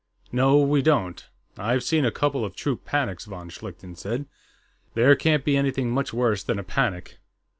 "No, we don't. I've seen a couple of troop panics," von Schlichten said. "There can't be anything much worse than a panic."